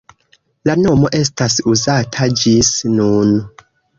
La nomo estas uzata ĝis nun.